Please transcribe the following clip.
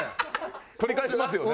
取り返しますよね。